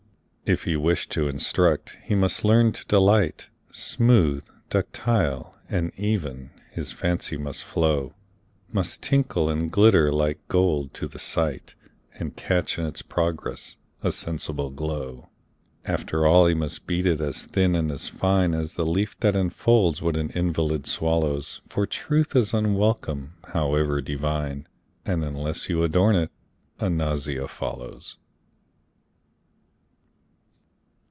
If he wish to instruct, he must learn to delight, Smooth, ductile, and even, his fancy must flow, Must tinkle and glitter like gold to the sight, And catch in its progress a sensible glow. After all he must beat it as thin and as fine As the leaf that enfolds what an invalid swallows, For truth is unwelcome, however divine, And unless you adorn it, a nausea follows.